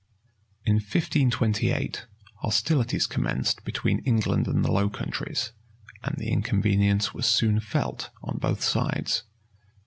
In 1528, hostilities commenced between England and the Low Countries; and the inconvenience was soon felt on both sides.